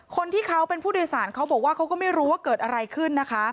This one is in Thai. คนที่เขาเป็นผู้โดยสารเขาบอกว่าเขาก็ไม่รู้ว่าเกิดอะไรขึ้นนะคะ